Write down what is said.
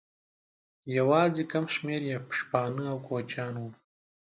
یواځې کم شمېر یې شپانه او کوچیان وو.